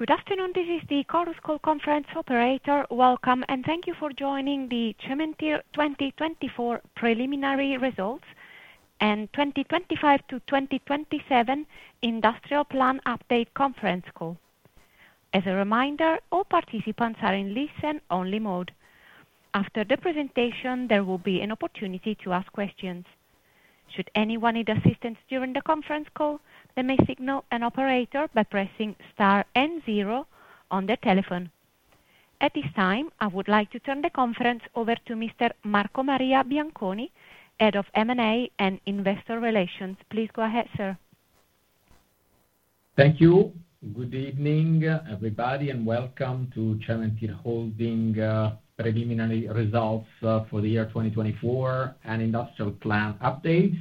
Good afternoon, this is the Chorus Call Conference Operator. Welcome, and thank you for joining the Cementir 2024 preliminary results and 2025-2027 industrial plan update conference call. As a reminder, all participants are in listen-only mode. After the presentation, there will be an opportunity to ask questions. Should anyone need assistance during the conference call, they may signal an operator by pressing star zero on their telephone. At this time, I would like to turn the conference over to Mr. Marco Maria Bianconi, Head of M&A and Investor Relations. Please go ahead, sir. Thank you. Good evening, everybody, and welcome to Cementir Holding preliminary results for the year 2024 and industrial plan updates.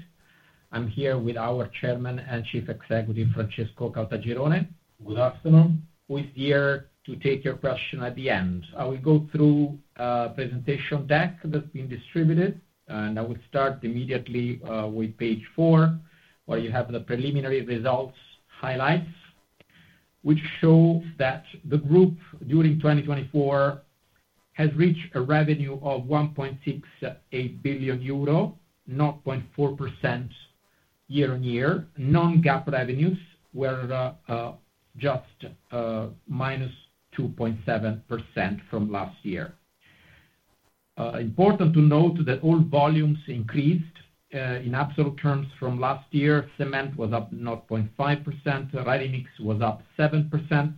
I'm here with our Chairman and Chief Executive, Francesco Caltagirone. Good afternoon. We're here to take your question at the end. I will go through a presentation deck that's been distributed, and I will start immediately with page four, where you have the preliminary results highlights, which show that the group during 2024 has reached a revenue of 1.68 billion euro, 0.4% year on year. Non-GAAP revenues were just minus 2.7% from last year. Important to note that all volumes increased in absolute terms from last year. Cement was up 0.5%, ready mix was up 7%,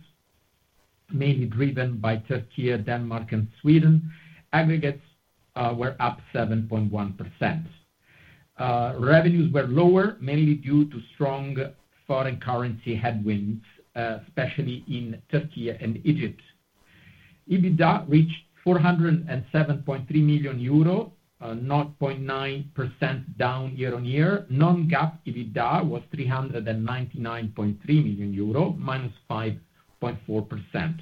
mainly driven by Türkiye, Denmark, and Sweden. Aggregates were up 7.1%. Revenues were lower, mainly due to strong foreign currency headwinds, especially in Türkiye and Egypt. EBITDA reached 407.3 million euro, 0.9% down year on year. Non-GAAP EBITDA was EUR399.3 million, minus 5.4%.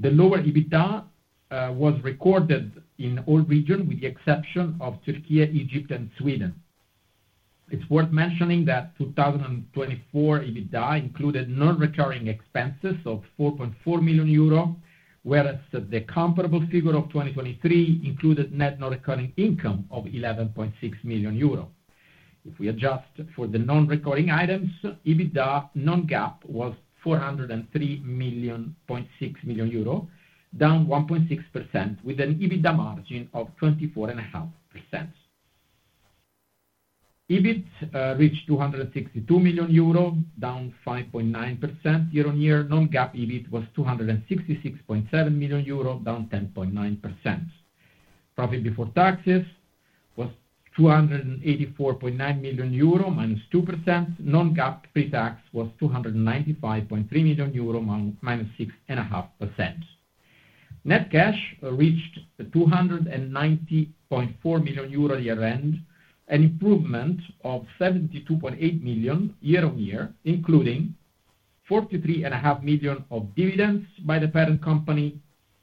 The lower EBITDA was recorded in all regions, with the exception of Türkiye, Egypt, and Sweden. It's worth mentioning that 2024 EBITDA included non-recurring expenses of 4.4 million euro, whereas the comparable figure of 2023 included net non-recurring income of 11.6 million euro. If we adjust for the non-recurring items, EBITDA non-GAAP was 403.6 million, down 1.6%, with an EBITDA margin of 24.5%. EBIT reached 262 million euro, down 5.9% year on year. Non-GAAP EBIT was 266.7 million euro, down 10.9%. Profit before taxes was 284.9 million euro, minus 2%. Non-GAAP pre-tax was 295.3 million euro, minus 6.5%. Net cash reached 290.4 million euro year-end, an improvement of 72.8 million year on year, including 43.5 million of dividends by the parent company,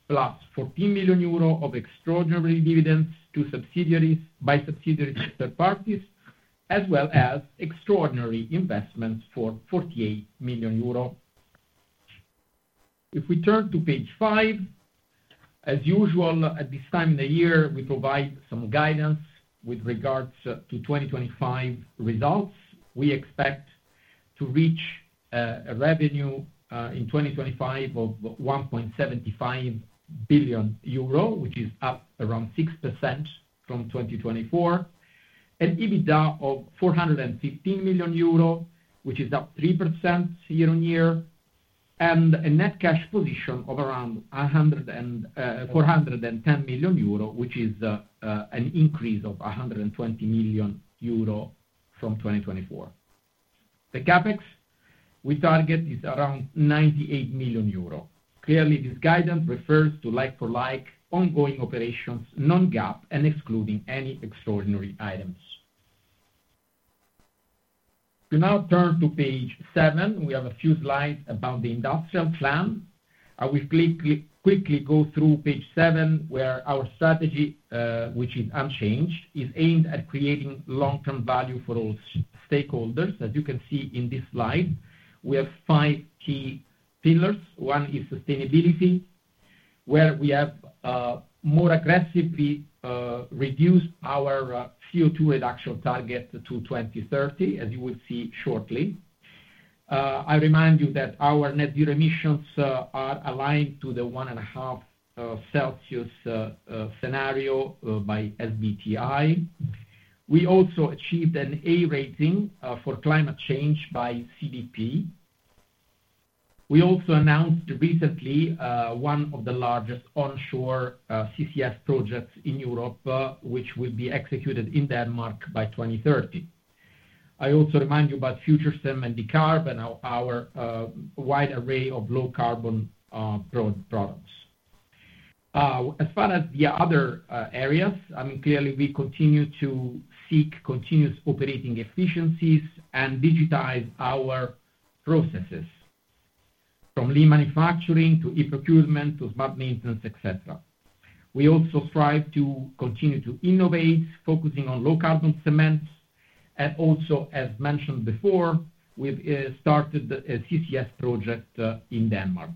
plus 14 million euro of extraordinary dividends to subsidiaries by subsidiary third parties, as well as extraordinary investments for 48 million euro. If we turn to page five, as usual at this time of the year, we provide some guidance with regards to 2025 results. We expect to reach a revenue in 2025 of 1.75 billion euro, which is up around 6% from 2024, an EBITDA of 415 million euro, which is up 3% year on year, and a net cash position of around 410 million euro, which is an increase of 120 million euro from 2024. The CapEx we target is around 98 million euro. Clearly, this guidance refers to like-for-like ongoing operations, non-GAAP, and excluding any extraordinary items. We now turn to page seven. We have a few slides about the industrial plan. I will quickly go through page seven, where our strategy, which is unchanged, is aimed at creating long-term value for all stakeholders. As you can see in this slide, we have five key pillars. One is sustainability, where we have more aggressively reduced our CO2 reduction target to 2030, as you will see shortly. I remind you that our net zero emissions are aligned to the one and a half Celsius scenario by SBTi. We also achieved an A rating for climate change by CDP. We also announced recently one of the largest onshore CCS projects in Europe, which will be executed in Denmark by 2030. I also remind you about FUTURECEM and our wide array of low-carbon products. As far as the other areas, I mean, clearly, we continue to seek continuous operating efficiencies and digitize our processes, from lean manufacturing to e-procurement to smart maintenance, etc. We also strive to continue to innovate, focusing on low-carbon cement, and also, as mentioned before, we've started a CCS project in Denmark.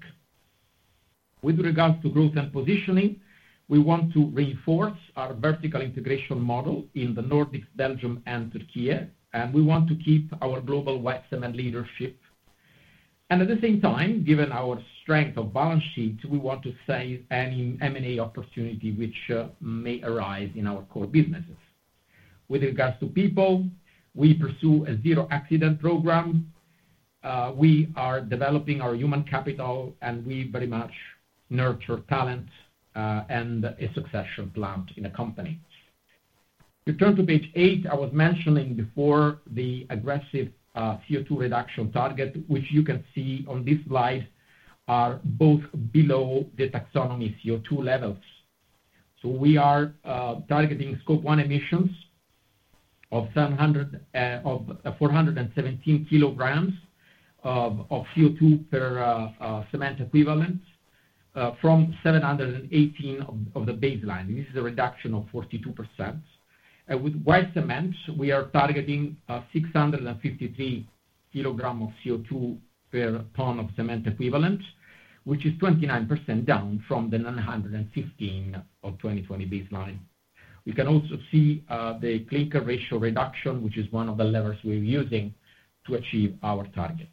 With regards to growth and positioning, we want to reinforce our vertical integration model in the Nordics, Belgium, and Türkiye, and we want to keep our global white cement leadership. And at the same time, given our strength of balance sheet, we want to save any M&A opportunity which may arise in our core businesses. With regards to people, we pursue a zero-accident program. We are developing our human capital, and we very much nurture talent and a succession plan in a company. We turn to page eight. I was mentioning before the aggressive CO2 reduction target, which you can see on this slide, are both below the Taxonomy CO2 levels. So we are targeting Scope 1 emissions of 417kg of CO2 per cement equivalent from 718 of the baseline. This is a reduction of 42%. With white cement, we are targeting 653kg of CO2 per ton of cement equivalent, which is 29% down from the 915 of 2020 baseline. We can also see the clinker ratio reduction, which is one of the levels we're using to achieve our targets.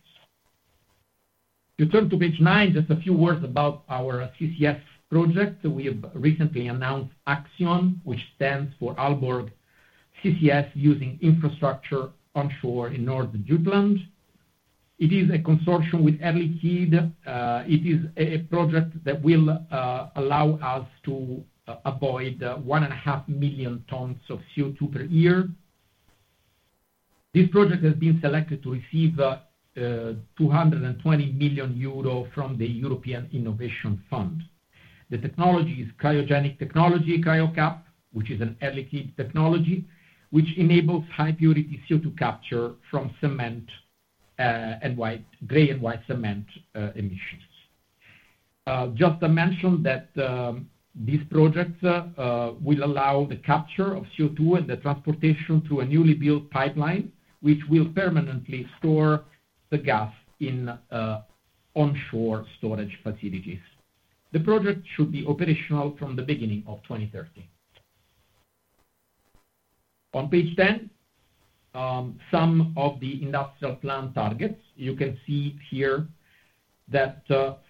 To turn to page nine, just a few words about our CCS project. We have recently announced ACCSION, which stands for Aalborg Carbon Capture Infrastructure Onshore North in North Jutland. It is a consortium with Air Liquide. It is a project that will allow us to avoid 1.5 million tons of CO2 per year. This project has been selected to receive 220 million euro from the European Innovation Fund. The technology is cryogenic technology, Cryocap, which is an Air Liquide technology, which enables high-purity CO2 capture from cement and gray and white cement emissions. Just to mention that this project will allow the capture of CO2 and the transportation through a newly built pipeline, which will permanently store the gas in onshore storage facilities. The project should be operational from the beginning of 2030. On page ten, some of the industrial plan targets. You can see here that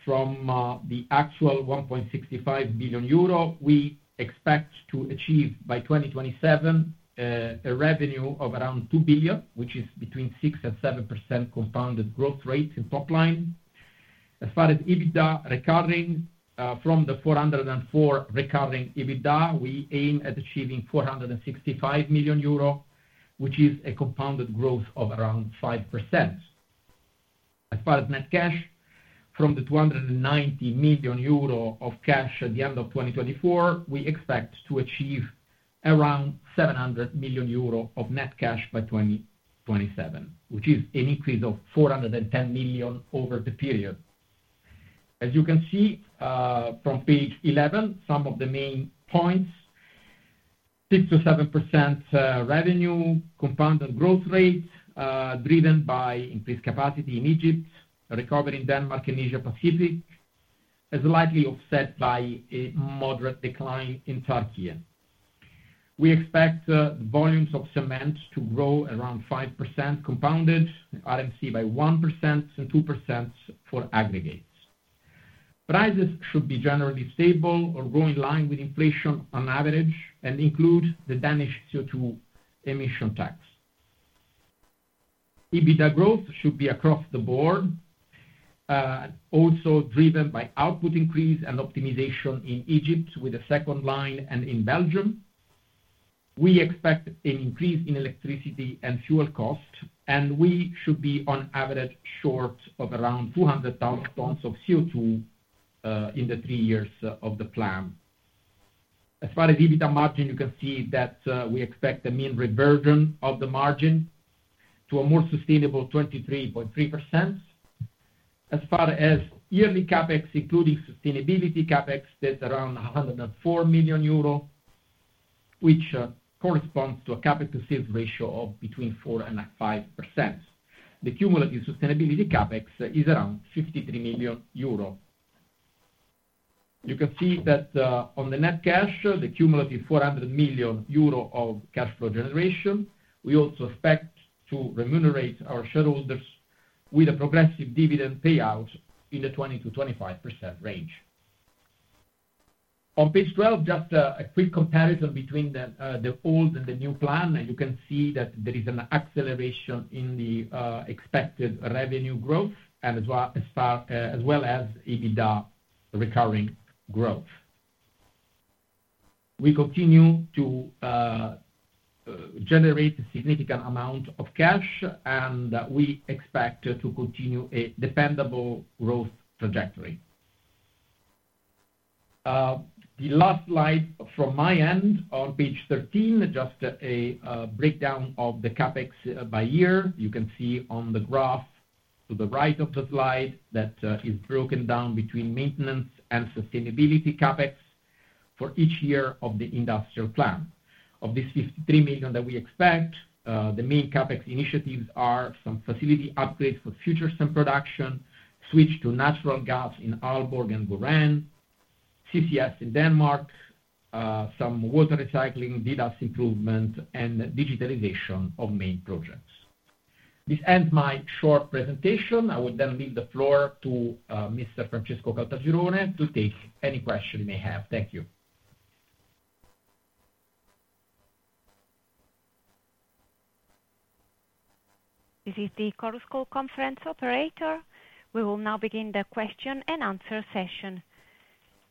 from the actual 1.65 billion euro, we expect to achieve by 2027 a revenue of around 2 billion, which is between 6% and 7% compounded growth rate in top line. As far as EBITDA recurring, from the 404 recurring EBITDA, we aim at achieving 465 million euro, which is a compounded growth of around 5%. As far as net cash, from the 290 million euro of cash at the end of 2024, we expect to achieve around 700 million euro of net cash by 2027, which is an increase of 410 million over the period. As you can see from page 11, some of the main points: 6%-7% revenue compounded growth rate driven by increased capacity in Egypt, recovery in Denmark and Asia-Pacific, as likely offset by a moderate decline in Türkiye. We expect volumes of cement to grow around 5% compounded, RMC by 1% and 2% for aggregates. Prices should be generally stable or grow in line with inflation on average and include the Danish CO2 emission tax. EBITDA growth should be across the board, also driven by output increase and optimization in Egypt with a second line and in Belgium. We expect an increase in electricity and fuel cost, and we should be on average short of around 200,000 tons of CO2 in the three years of the plan. As far as EBITDA margin, you can see that we expect a mean reversion of the margin to a more sustainable 23.3%. As far as yearly CAPEX, including sustainability CAPEX, that's around 104 million euro, which corresponds to a CAPEX to Sales ratio of between 4% and 5%. The cumulative sustainability CAPEX is around 53 million euro. You can see that on the net cash, the cumulative 400 million euro of cash flow generation. We also expect to remunerate our shareholders with a progressive dividend payout in the 20% to 25% range. On page 12, just a quick comparison between the old and the new plan. You can see that there is an acceleration in the expected revenue growth, as well as EBITDA recurring growth. We continue to generate a significant amount of cash, and we expect to continue a dependable growth trajectory. The last slide from my end on page 13, just a breakdown of the CAPEX by year. You can see on the graph to the right of the slide that is broken down between maintenance and sustainability CapEx for each year of the industrial plan. Of this 53 million that we expect, the main CapEx initiatives are some facility upgrades for FUTURECEM production, switch to natural gas in Aalborg and Gaurain, CCS in Denmark, some water recycling, dedusting improvement, and digitalization of main projects. This ends my short presentation. I will then leave the floor to Mr. Francesco Caltagirone to take any questions you may have. Thank you. This is the Chorus Call Conference operator. We will now begin the question and answer session.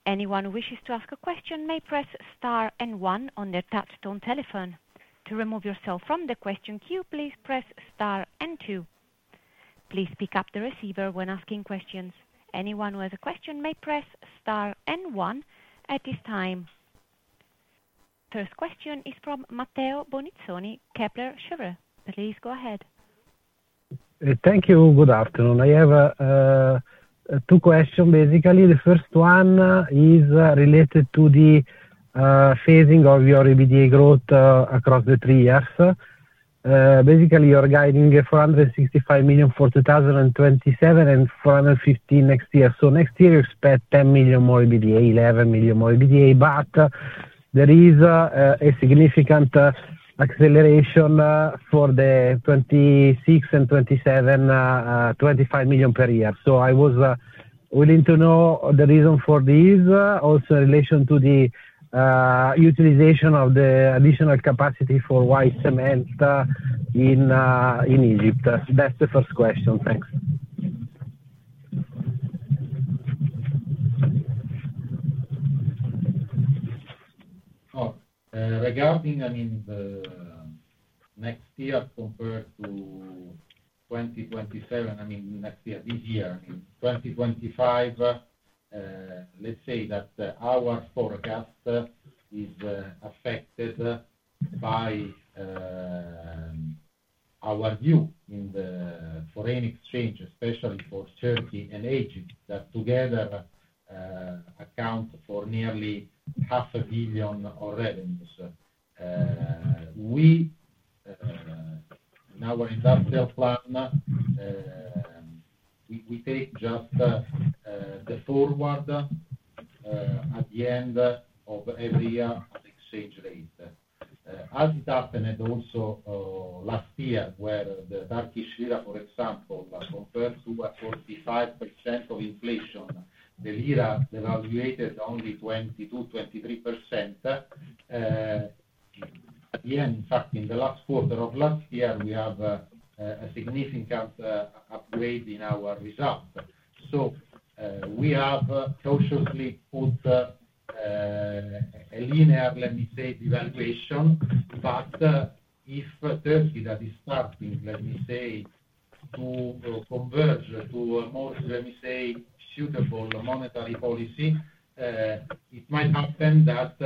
Anyone who wishes to ask a question may press star and one on their touch-tone telephone. To remove yourself from the question queue, please press star and two. Please pick up the receiver when asking questions. Anyone who has a question may press star and one at this time. First question is from Matteo Bonizzoni, Kepler Cheuvreux. Please go ahead. Thank you. Good afternoon. I have two questions, basically. The first one is related to the phasing of your EBITDA growth across the three years. Basically, you're guiding 465 million for 2027 and 415 million next year. So next year, you expect 10 million more EBITDA, 11 million more EBITDA, but there is a significant acceleration for 2026 and 2027, 25 million per year. So I was willing to know the reason for this, also in relation to the utilization of the additional capacity for white cement in Egypt. That's the first question. Thanks. Regarding, I mean, next year compared to 2027, I mean, next year, this year, I mean, 2025, let's say that our forecast is affected by our view in the foreign exchange, especially for Türkiye and Egypt, that together account for nearly 500 million of revenues. In our industrial plan, we take just the forward at the end of every year of exchange rate. As it happened also last year, where the Turkish lira, for example, compared to 45% inflation, the lira devalued only 22%-23%. At the end, in fact, in the last quarter of last year, we have a significant upgrade in our result. So we have cautiously put a linear, let me say, devaluation. But if Türkiye that is starting, let me say, to converge to a more, let me say, suitable monetary policy, it might happen that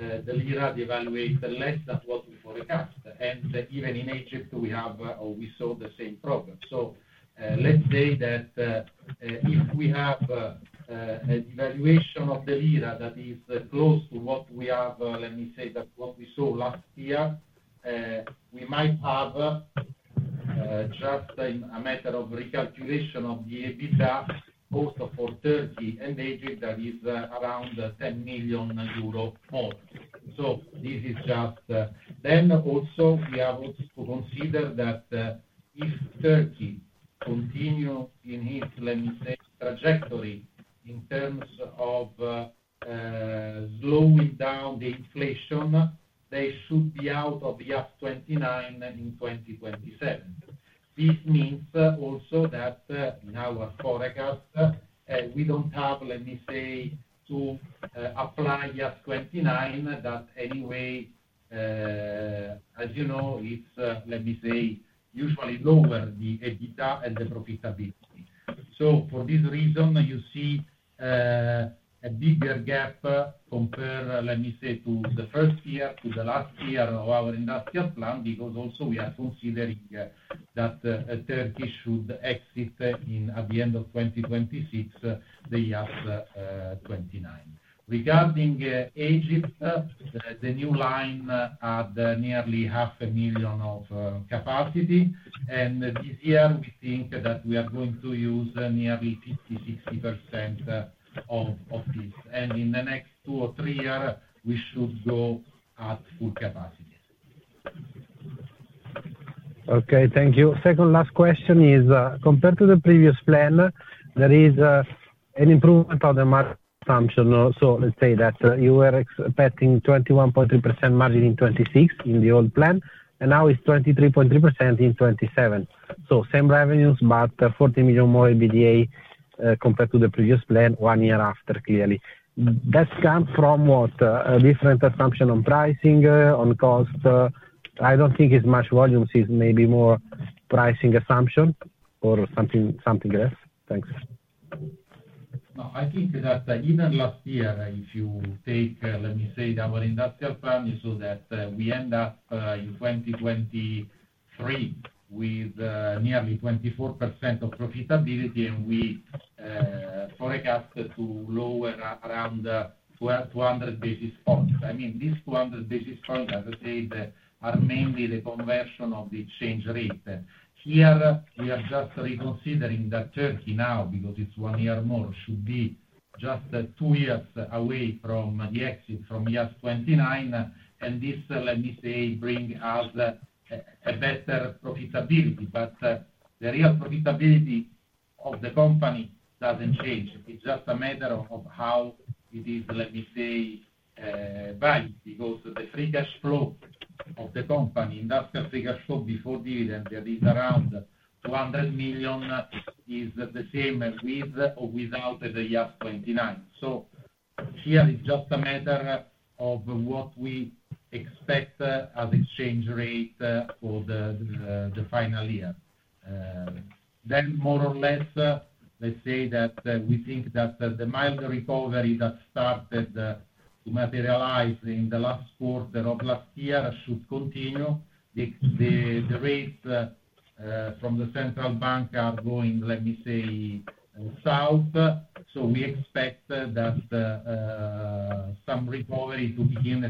the lira devalues less than what we forecast. And even in Egypt, we have or we saw the same problem. So let's say that if we have a devaluation of the lira that is close to what we have, let me say, that's what we saw last year, we might have just a matter of recalculation of the EBITDA, also for Türkiye and Egypt, that is around 10 million euro more. So this is just then also we have to consider that if Türkiye continues in its, let me say, trajectory in terms of slowing down the inflation, they should be out of the IAS 29 in 2027. This means also that in our forecast, we don't have, let me say, to apply IAS 29 that anyway, as you know, it's, let me say, usually lower the EBITDA and the profitability. So for this reason, you see a bigger gap compared, let me say, to the first year to the last year of our industrial plan because also we are considering that Turkey should exit at the end of 2026 the year IAS 29. Regarding Egypt, the new line had nearly 500,000 of capacity, and this year, we think that we are going to use nearly 50%, 60% of this, and in the next two or three years, we should go at full capacity. Okay. Thank you. Second last question is, compared to the previous plan, there is an improvement on the margin assumption. So let's say that you were expecting 21.3% margin in 2026 in the old plan, and now it's 23.3% in 2027. So same revenues, but 40 million more EBITDA compared to the previous plan one year after, clearly. That's come from what? A different assumption on pricing, on cost. I don't think it's much volume; it's maybe more pricing assumption or something else. Thanks. No, I think that even last year, if you take, let me say, our industrial plan, you saw that we end up in 2023 with nearly 24% of profitability, and we forecast to lower around 200 basis points. I mean, these 200 basis points, as I said, are mainly the conversion of the exchange rate. Here, we are just reconsidering that Turkey now, because it's one year more, should be just two years away from the exit from IAS 29. This, let me say, brings us a better profitability. The real profitability of the company doesn't change. It's just a matter of how it is, let me say, valued because the free cash flow of the company, industrial free cash flow before dividend, that is around 200 million, is the same with or without the year IAS 29. Here is just a matter of what we expect as exchange rate for the final year. More or less, let's say that we think that the mild recovery that started to materialize in the last quarter of last year should continue. The rates from the central bank are going, let me say, south. We expect that some recovery to begin,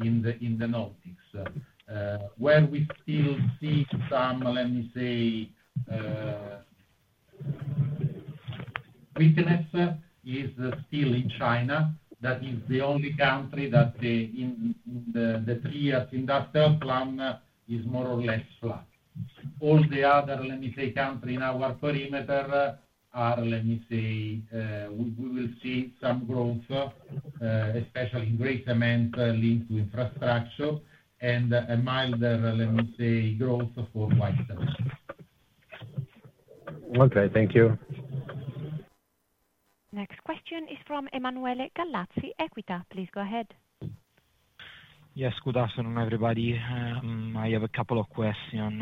especially in the Nordics. Where we still see some, let me say, weakness is still in China. That is the only country that in the three years industrial plan is more or less flat. All the other, let me say, countries in our perimeter are, let me say, we will see some growth, especially in gray cement linked to infrastructure, and a milder, let me say, growth for white cement. Okay. Thank you. Next question is from Emanuele Gallazzi, Equita. Please go ahead. Yes. Good afternoon, everybody. I have a couple of questions.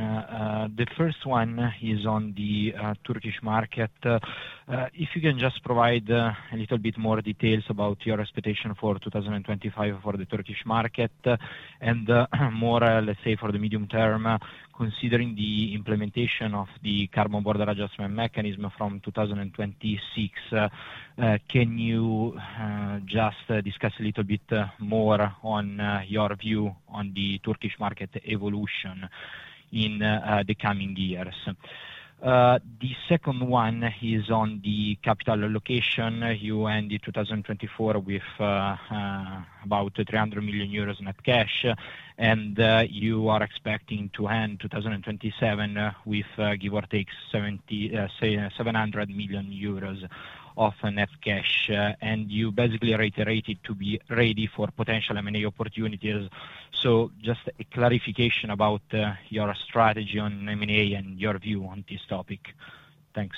The first one is on the Turkish market. If you can just provide a little bit more details about your expectation for 2025 for the Turkish market, and more, let's say, for the medium term, considering the implementation of the Carbon Border Adjustment Mechanism from 2026, can you just discuss a little bit more on your view on the Turkish market evolution in the coming years? The second one is on the capital allocation. You ended 2024 with about 300 million euros net cash, and you are expecting to end 2027 with, give or take, 700 million euros of net cash, and you basically reiterated to be ready for potential M&A opportunities, so just a clarification about your strategy on M&A and your view on this topic. Thanks.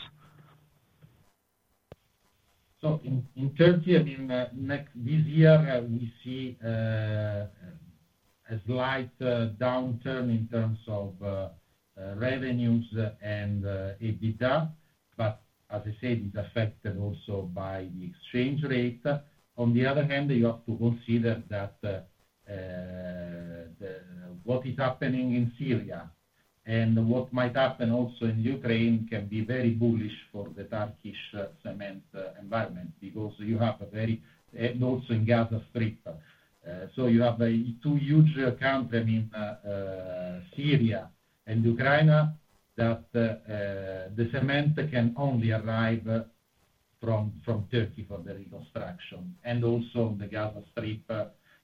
So in Türkiye, I mean, this year, we see a slight downturn in terms of revenues and EBITDA, but as I said, it's affected also by the exchange rate. On the other hand, you have to consider that what is happening in Syria and what might happen also in Ukraine can be very bullish for the Turkish cement environment because you have a very—and also in Gaza Strip, so you have two huge countries, I mean, Syria and Ukraine, that the cement can only arrive from Türkiye for the reconstruction and also the Gaza Strip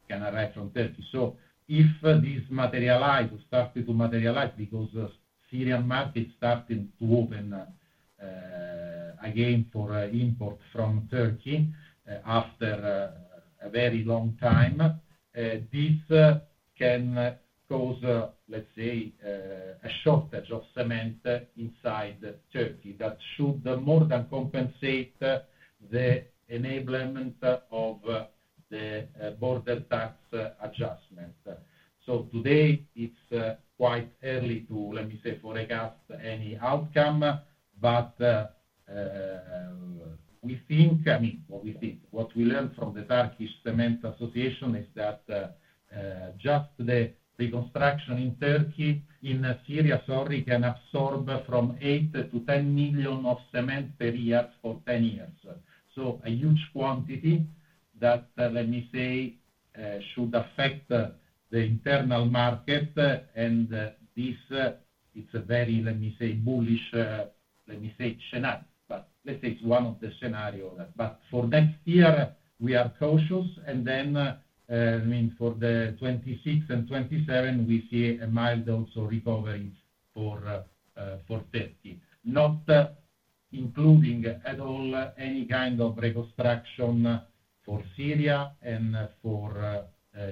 can arrive from Turkey. So if this materializes, started to materialize because the Syrian market started to open again for import from Turkey after a very long time, this can cause, let's say, a shortage of cement inside Turkey that should more than compensate the enablement of the border tax adjustment. So today, it's quite early to, let me say, forecast any outcome. But we think, I mean, what we think, what we learned from the Turkish Cement Association is that just the reconstruction in Turkey, in Syria, sorry, can absorb from 8-10 million of cement per year for 10 years. So a huge quantity that, let me say, should affect the internal market. And this, it's a very, let me say, bullish, let me say, scenario. But let's say it's one of the scenarios. But for next year, we are cautious. And then, I mean, for the 2026 and 2027, we see a mild also recovery for Türkiye, not including at all any kind of reconstruction for Syria and for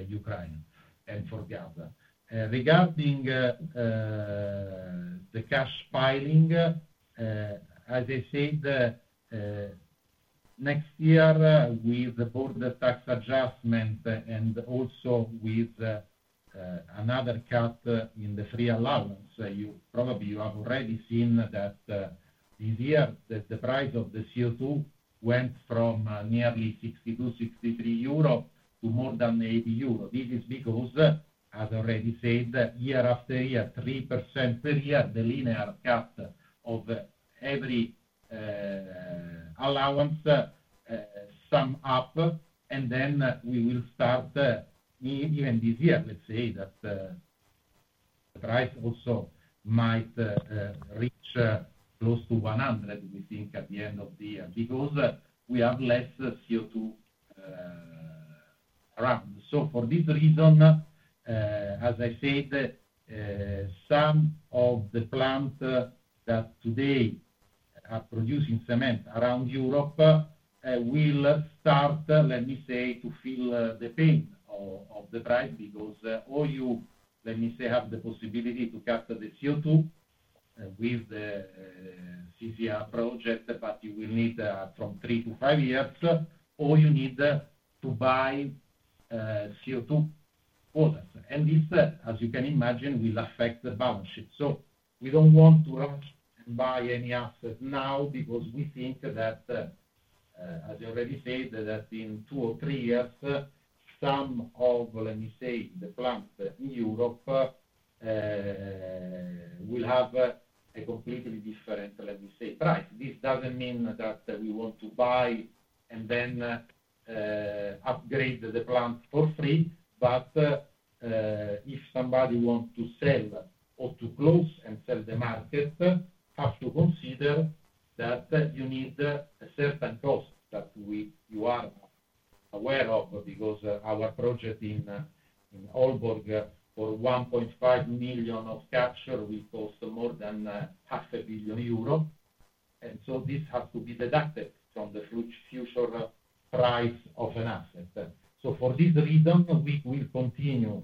Ukraine and for Gaza. Regarding the cash piling, as I said, next year with the border tax adjustment and also with another cut in the free allowance, you probably have already seen that this year, the price of the CO2 went from nearly 62-63 euro to more than 80 euro. This is because, as I already said, year after year, 3% per year, the linear cut of every allowance sum up. And then we will start even this year, let's say, that the price also might reach close to 100, we think, at the end of the year because we have less CO2 around. So for this reason, as I said, some of the plants that today are producing cement around Europe will start, let me say, to feel the pain of the price because all you, let me say, have the possibility to capture the CO2 with the CCS project, but you will need from three to five years, or you need to buy CO2 credits. And this, as you can imagine, will affect the balance sheet. So we don't want to buy any assets now because we think that, as I already said, that in two or three years, some of, let me say, the plants in Europe will have a completely different, let me say, price. This doesn't mean that we want to buy and then upgrade the plants for free. But if somebody wants to sell or to close and sell the market, have to consider that you need a certain cost that you are aware of because our project in Aalborg for 1.5 million of capture will cost more than 500 million euro. And so this has to be deducted from the future price of an asset. So for this reason, we will continue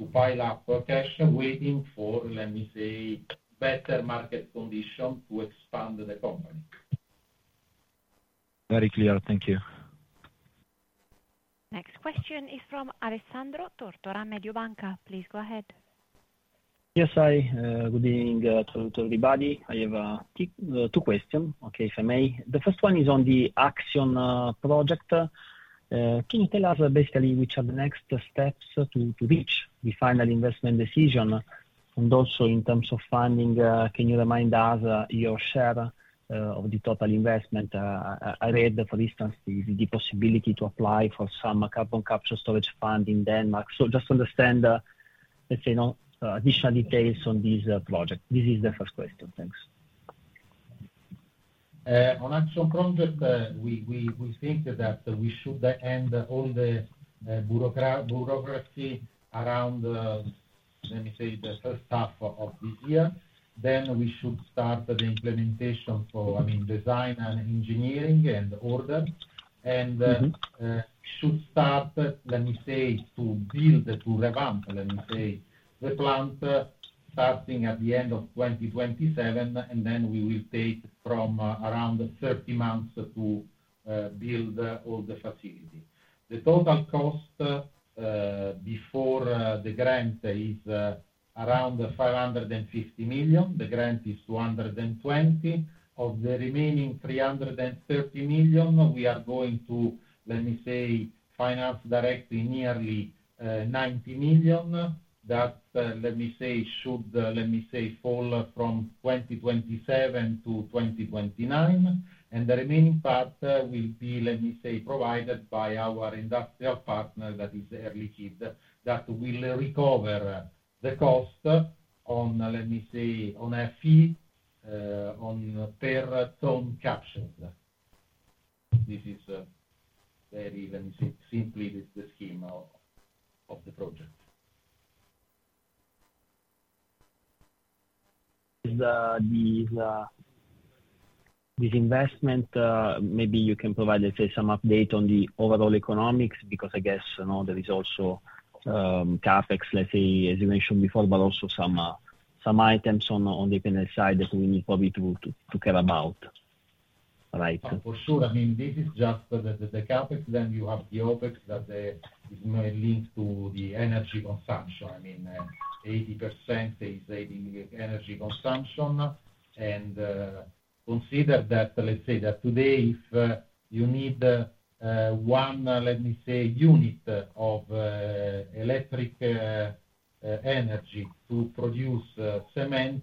to pile up cash waiting for, let me say, better market conditions to expand the company. Very clear. Thank you. Next question is from Alessandro Tortora, Mediobanca. Please go ahead. Yes, hi. Good evening [inuadible] I have two questions, okay, if I may. The first one is on the ACCSION project. Can you tell us basically which are the next steps to reach the final investment decision? And also in terms of funding, can you remind us your share of the total investment? I read, for instance, the possibility to apply for some carbon capture storage fund in Denmark. So just to understand, let's say, additional details on this project. This is the first question. Thanks. On ACCSION project, we think that we should end all the bureaucracy around, let me say, the first half of this year. Then we should start the implementation for, I mean, design and engineering and order. And we should start, let me say, to build, to revamp, let me say, the plant starting at the end of 2027. And then we will take from around 30 months to build all the facility. The total cost before the grant is around 550 million. The grant is 220 million. Of the remaining 330 million, we are going to, let me say, finance directly nearly 90 million. That, let me say, should, let me say, fall from 2027 to 2029. The remaining part will be, let me say, provided by our industrial partner that is Air Liquide that will recover the cost on, let me say, on a fee per ton capture. This is very, let me say, simply the scheme of the project. This investment, maybe you can provide, let's say, some update on the overall economics because I guess there is also CAPEX, let's say, as you mentioned before, but also some items on the P&L side that we need probably to care about. Right. For sure. I mean, this is just the CAPEX. Then you have the OPEX that is linked to the energy consumption. I mean, 80% is mainly energy consumption. Consider that, let's say, that today, if you need one, let me say, unit of electric energy to produce cement,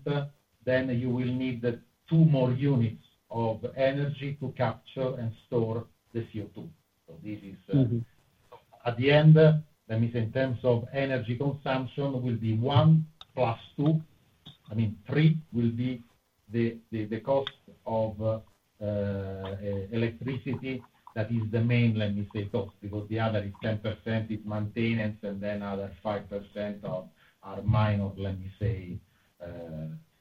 then you will need two more units of energy to capture and store the CO2. So this is, at the end, let me say, in terms of energy consumption, will be one plus two. I mean, three will be the cost of electricity that is the main, let me say, cost because the other is 10% is maintenance, and then other 5% are minor, let me say,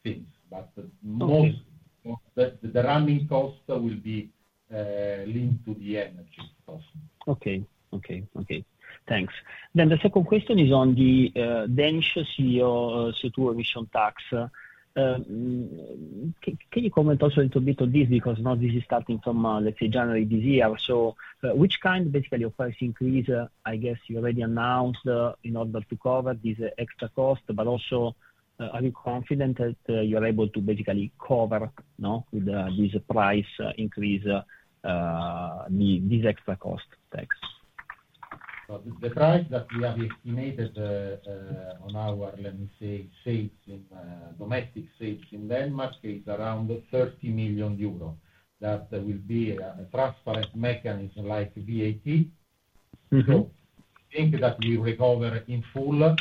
things. But most of the running cost will be linked to the energy cost. Okay. Okay. Okay. Thanks. The second question is on the Danish CO2 emission tax. Can you comment also a little bit on this because this is starting from, let's say, January this year? So which kind basically of price increase, I guess, you already announced in order to cover this extra cost, but also are you confident that you're able to basically cover with this price increase, this extra cost tax? The price that we have estimated on our, let me say, sales in domestic sales in Denmark is around 30 million euros. That will be a transparent mechanism like VAT. So we think that we recover in full.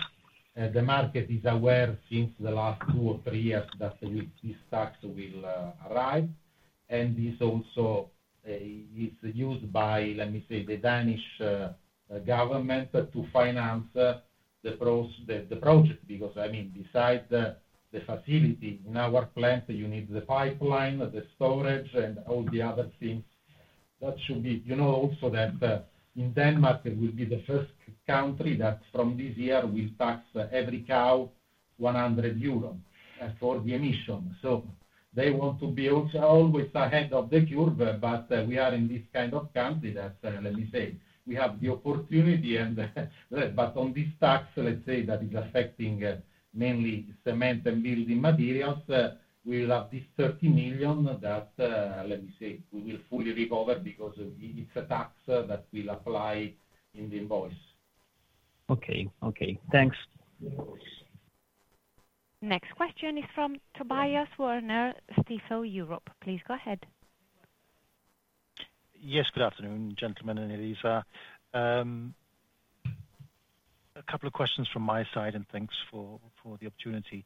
The market is aware since the last two or three years that this tax will arrive. This also is used by, let me say, the Danish government to finance the project because, I mean, besides the facility in our plant, you need the pipeline, the storage, and all the other things that should be in Denmark. It will be the first country that from this year will tax every ton 100 euros for the emissions. So they want to be always ahead of the curve, but we are in this kind of country that, let me say, we have the opportunity. But on this tax, let's say, that is affecting mainly cement and building materials, we will have this 30 million that, let me say, we will fully recover because it's a tax that we'll apply in the invoice. Okay. Okay. Thanks. Next question is from Tobias Woerner, Stifel Europe. Please go ahead. Yes. Good afternoon, gentlemen. It is a couple of questions from my side and thanks for the opportunity.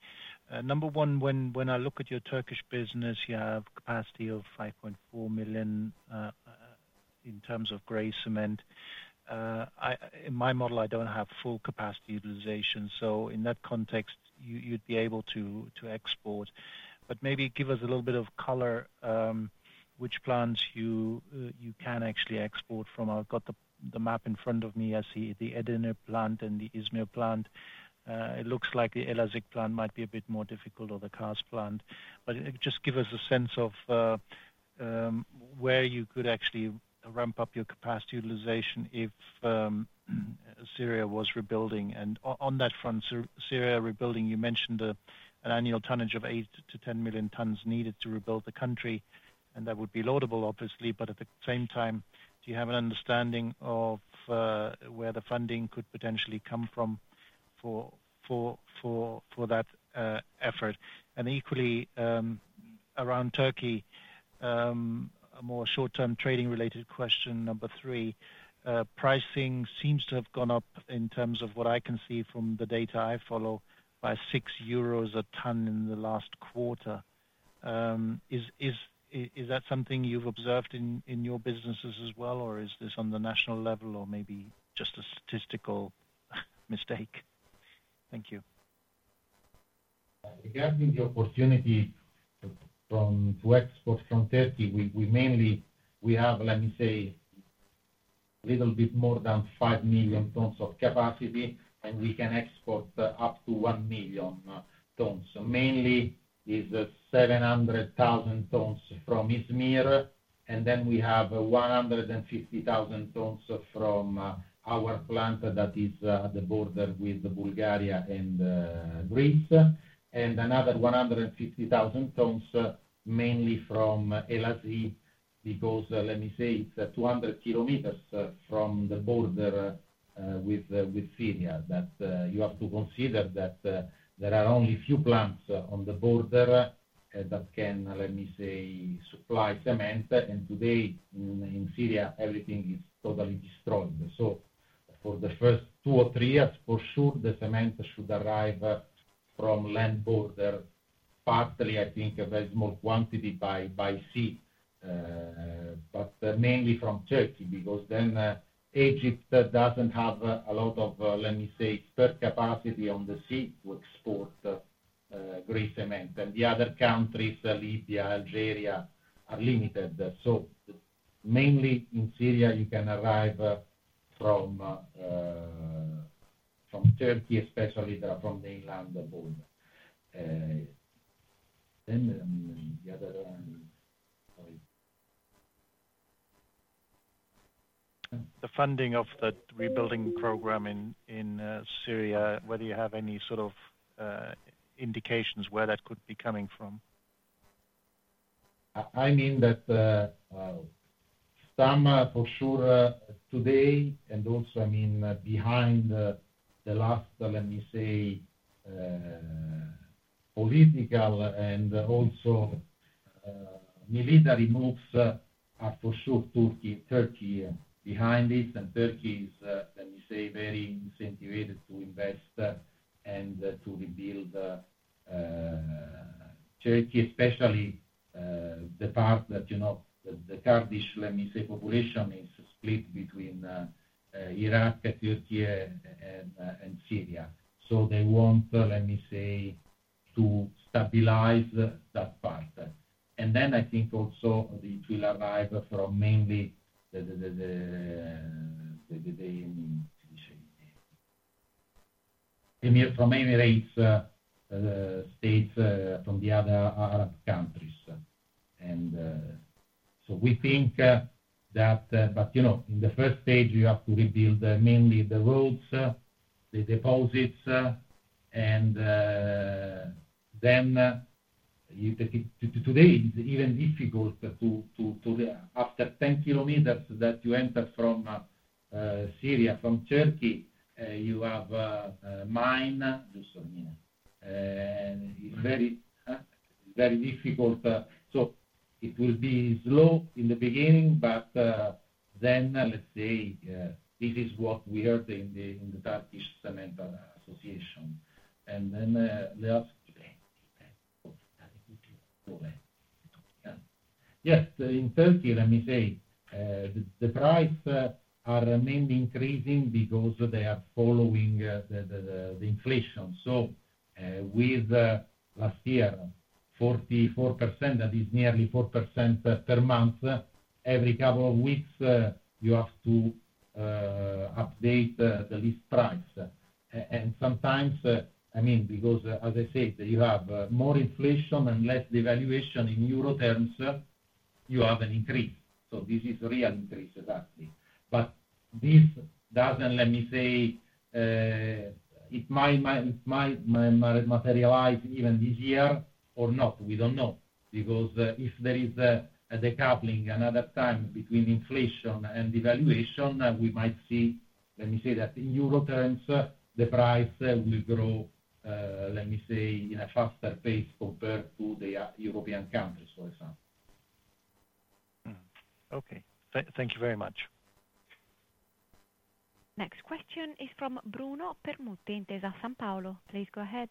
Number one, when I look at your Turkish business, you have capacity of 5.4 million in terms of gray cement. In my model, I don't have full capacity utilization. So in that context, you'd be able to export. But maybe give us a little bit of color which plants you can actually export from. I've got the map in front of me. I see the Edirne plant and the İzmir plant. It looks like the Elazığ plant might be a bit more difficult or the Kars plant. But just give us a sense of where you could actually ramp up your capacity utilization if Syria was rebuilding. On that front, Syria rebuilding, you mentioned an annual tonnage of 8-10 million tons needed to rebuild the country. That would be laudable, obviously. But at the same time, do you have an understanding of where the funding could potentially come from for that effort? And equally, around Türkiye, a more short-term trading-related question, number three. Pricing seems to have gone up in terms of what I can see from the data I follow by 6 euros a ton in the last quarter. Is that something you've observed in your businesses as well, or is this on the national level or maybe just a statistical mistake? Thank you. Regarding the opportunity to export from Türkiye, we mainly have, let me say, a little bit more than five million tons of capacity, and we can export up to one million tons. Mainly, it's 700,000 tons from İzmir. And then we have 150,000 tons from our plant that is at the border with Bulgaria and Greece. Another 150,000 tons mainly from Elazığ because, let me say, it's 200 km from the border with Syria. That you have to consider that there are only few plants on the border that can, let me say, supply cement. Today, in Syria, everything is totally destroyed. For the first two or three years, for sure, the cement should arrive from land border, partly, I think, a very small quantity by sea, but mainly from Turkey because then Egypt doesn't have a lot of, let me say, spare capacity on the sea to export gray cement. The other countries, Libya, Algeria, are limited. Mainly in Syria, you can arrive from Turkey, especially from mainland border. Then the other sorry. The funding of the rebuilding program in Syria, whether you have any sort of indications where that could be coming from? I mean that some for sure today and also I mean behind the last let me say political and also military moves are for sure Türkiye behind this. And Türkiye is let me say very incentivized to invest and to rebuild Türkiye especially the part that the Kurdish let me say population is split between Iraq, Türkiye, and Syria. So they want let me say to stabilize that part. And then I think also it will arrive from mainly the Emirati states from the other Arab countries. And so we think that but in the first stage you have to rebuild mainly the roads the depots. And then today it's even difficult to after 10 km that you enter from Syria from Turkey you have mines. Just so you know. And it's very difficult. So it will be slow in the beginning, but then, let's say, this is what we heard in the Turkish Cement Association. And then the other yes, in Turkey, let me say, the prices are mainly increasing because they are following the inflation. So with last year, 44%, that is nearly 4% per month. Every couple of weeks, you have to update the list price. And sometimes, I mean, because, as I said, you have more inflation and less devaluation in euro terms, you have an increase. So this is a real increase, exactly. But this doesn't, let me say, it might materialize even this year or not. We don't know. Because if there is a decoupling another time between inflation and devaluation, we might see, let me say, that in euro terms, the price will grow, let me say, in a faster pace compared to the European countries, for example. Okay. Thank you very much. Next question is from Bruno Permutti, Intesa Sanpaolo. Please go ahead.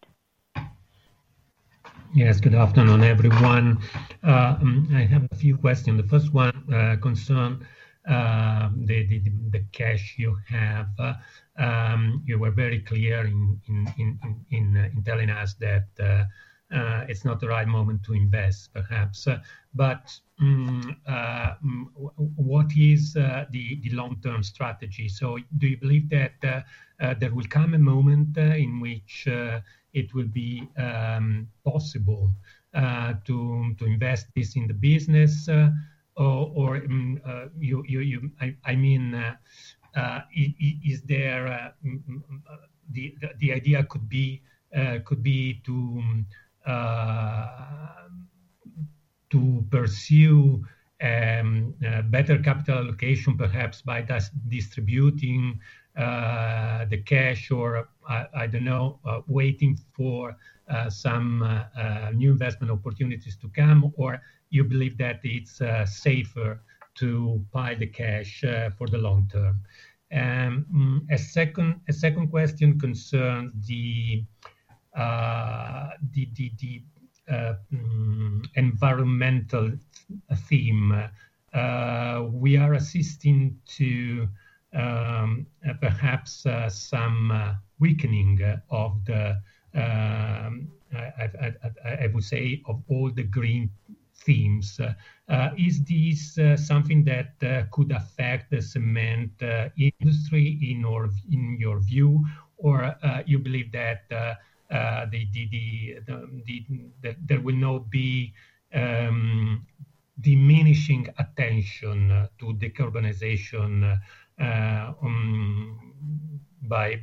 Yes. Good afternoon, everyone. I have a few questions. The first one concerns the cash you have. You were very clear in telling us that it's not the right moment to invest, perhaps. But what is the long-term strategy? So do you believe that there will come a moment in which it will be possible to invest this in the business? Or I mean, is there the idea could be to pursue better capital allocation, perhaps, by distributing the cash or, I don't know, waiting for some new investment opportunities to come? Or you believe that it's safer to buy the cash for the long term? And a second question concerns the environmental theme. We are witnessing to perhaps some weakening of the, I would say, of all the green themes. Is this something that could affect the cement industry in your view? Or you believe that there will not be diminishing attention to decarbonization by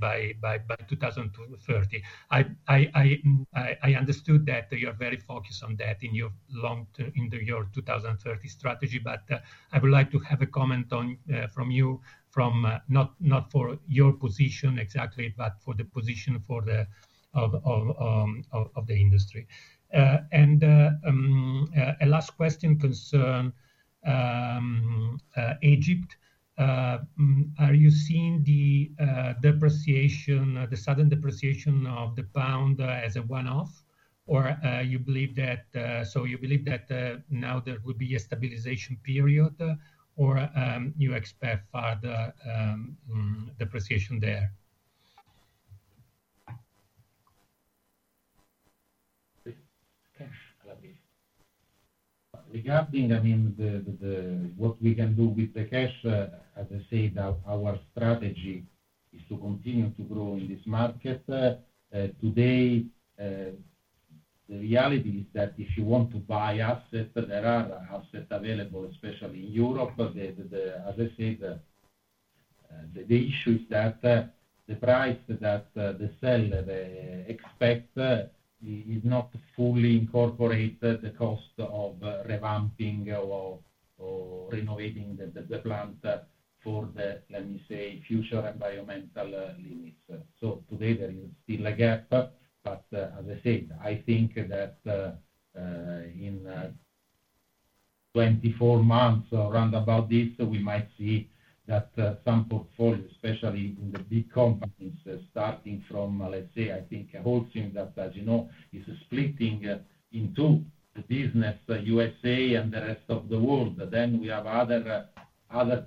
2030? I understood that you're very focused on that in your 2030 strategy, but I would like to have a comment from you, not for your position exactly, but for the position of the industry. And a last question concerns Egypt. Are you seeing the depreciation, the sudden depreciation of the pound as a one-off? Or you believe that now there will be a stabilization period, or you expect further depreciation there? Regarding, I mean, what we can do with the cash, as I said, our strategy is to continue to grow in this market. Today, the reality is that if you want to buy assets, there are assets available, especially in Europe. As I said, the issue is that the price that the seller expects is not fully incorporated, the cost of revamping or renovating the plant for the, let me say, future environmental limits. So today, there is still a gap. But as I said, I think that in 24 months or around about this, we might see that some portfolios, especially in the big companies, starting from, let's say, I think Holcim, that, as you know, is splitting into the business, USA and the rest of the world. Then we have other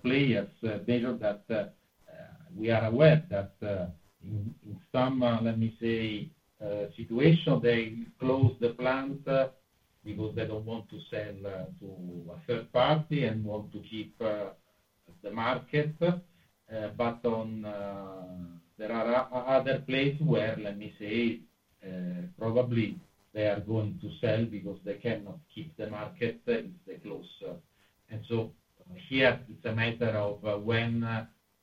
players that we are aware that in some, let me say, situation, they close the plant because they don't want to sell to a third party and want to keep the market. But there are other places where, let me say, probably they are going to sell because they cannot keep the market if they close. And so here, it's a matter of when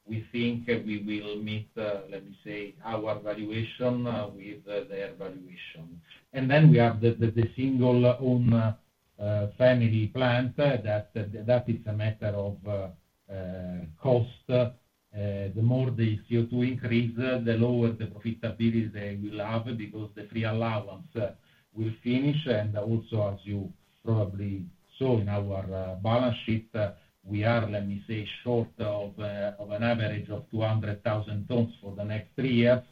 we think we will meet, let me say, our valuation with their valuation. And then we have the single-owned family plant. That is a matter of cost. The more they see to increase, the lower the profitability they will have because the free allowance will finish. And also, as you probably saw in our balance sheet, we are, let me say, short of an average of 200,000 tons for the next three years.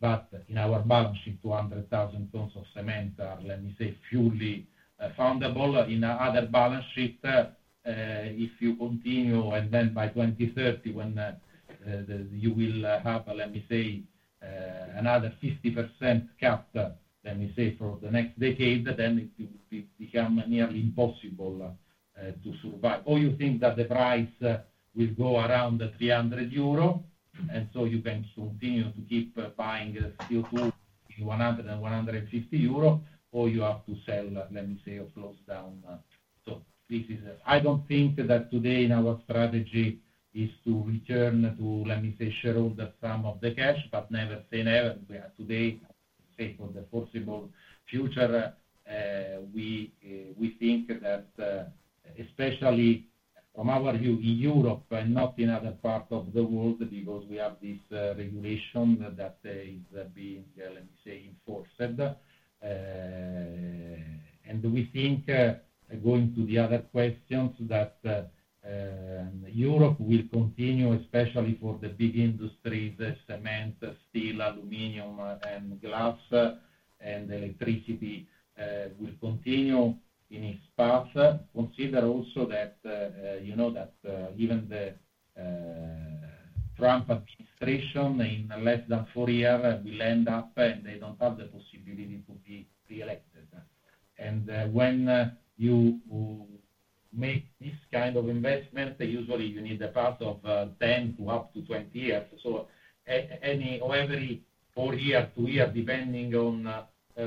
but in our balance sheet, 200,000 tons of cement are, let me say, purely fundable. In other balance sheets, if you continue, and then by 2030, when you will have, let me say, another 50% cap, let me say, for the next decade, then it will become nearly impossible to survive. Or you think that the price will go around 300 euro, and so you can continue to keep buying CO2 in 100 and 150 euro, or you have to sell, let me say, or close down. So this is, I don't think that today in our strategy is to return to, let me say, shareholders some of the cash, but never say never. Today, say for the foreseeable future, we think that, especially from our view in Europe and not in other parts of the world, because we have this regulation that is being, let me say, enforced. And we think, going to the other questions, that Europe will continue, especially for the big industries, cement, steel, aluminum, and glass, and electricity will continue in its path. Consider also that even the Trump administration, in less than four years, will end up, and they don't have the possibility to be reelected. And when you make this kind of investment, usually you need a path of 10 to up to 20 years. So any or every four years, two years, depending on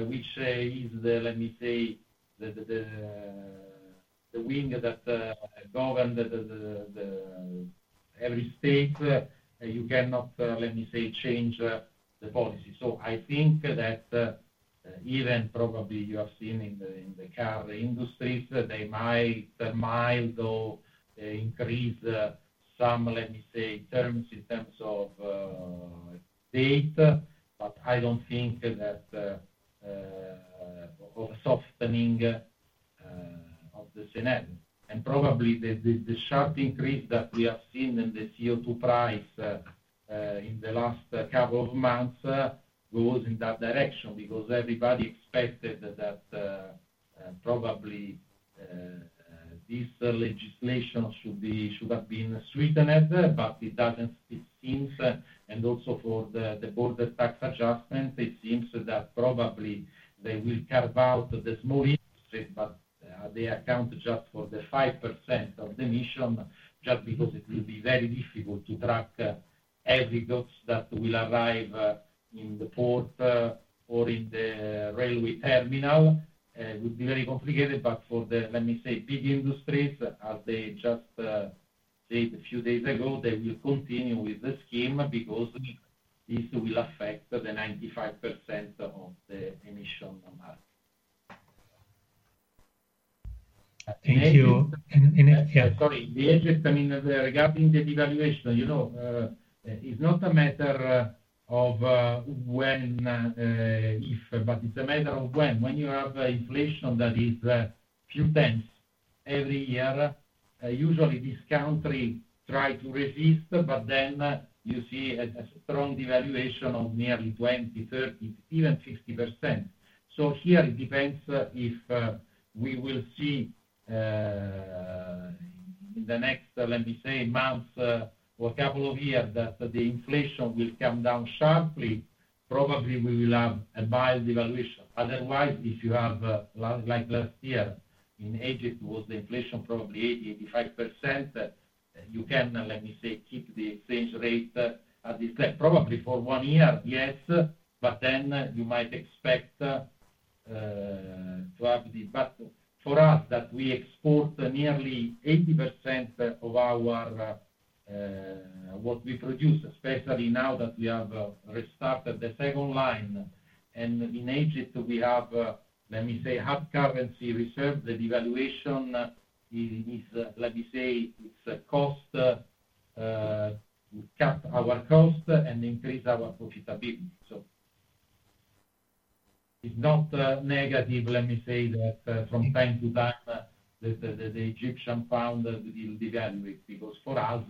which is the, let me say, the wing that governs every state, you cannot, let me say, change the policy. So I think that even probably you have seen in the car industries, they might mildly increase some, let me say, terms in terms of date, but I don't think that of softening of the scenario. Probably the sharp increase that we have seen in the CO2 price in the last couple of months goes in that direction because everybody expected that probably this legislation should have been sweetened, but it doesn't. It seems, and also for the border tax adjustment, it seems that probably they will carve out the small industry, but they account just for the 5% of the emissions just because it will be very difficult to track every box that will arrive in the port or in the railway terminal. It will be very complicated, but for the, let me say, big industries, as they just said a few days ago, they will continue with the scheme because this will affect the 95% of the emissions market. Thank you. Sorry. Egypt, I mean, regarding the devaluation, it's not a matter of if, but when. When you have inflation that is a few tens every year, usually this country tries to resist, but then you see a strong devaluation of nearly 20%, 30%, even 50%. So here it depends if we will see in the next, let me say, months or a couple of years that the inflation will come down sharply, probably we will have a mild devaluation. Otherwise, if you have like last year in Egypt, was the inflation probably 80%, 85%, you can, let me say, keep the exchange rate at this level. Probably for one year, yes, but then you might expect to have but for us that we export nearly 80% of what we produce, especially now that we have restarted the second line. And in Egypt, we have, let me say, hard currency reserve. The devaluation is, let me say, it's a cost to cut our cost and increase our profitability. So it's not negative, let me say, that from time to time the Egyptian pound will devalue because for us,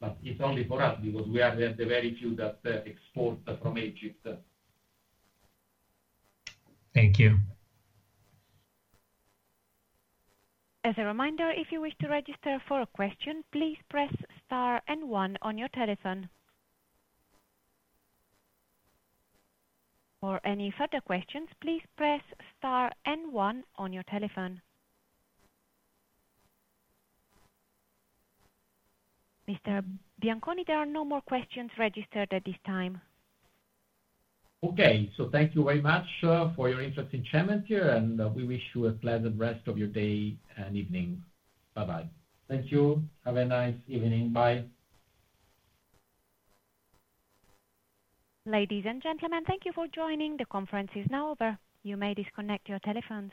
but it's only for us because we are the very few that export from Egypt. Thank you. As a reminder, if you wish to register for a question, please press star and one on your telephone. For any further questions, please press star and one on your telephone. Mr. Bianconi, there are no more questions registered at this time. Okay. So thank you very much for your interest in Cementir, and we wish you a pleasant rest of your day and evening. Bye-bye. Thank you. Have a nice evening. Bye. Ladies and gentlemen, thank you for joining. The conference is now over. You may disconnect your telephone.